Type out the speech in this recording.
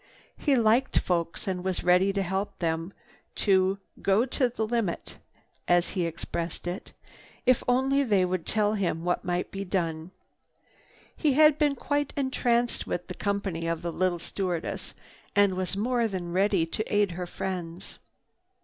He liked folks and was ready to help them, to "go the limit," as he expressed it, if only they would tell him what might be done. He had been quite entranced with the company of the little stewardess and was more than ready to aid her friends.